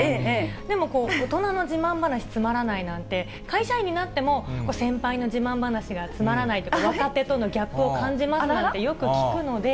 でも大人の自慢話、つまらないなんて、会社員になっても、先輩の自慢話がつまらないとか、若手とのギャップを感じますなんてよく聞くので。